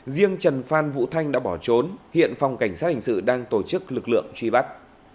riêng trần phan vũ thanh đã bỏ trốn hiện phòng cảnh sát hình sự đang tổ chức lực lượng truy bắt